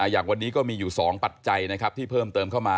อย่างวันนี้ก็มีอยู่๒ปัจจัยนะครับที่เพิ่มเติมเข้ามา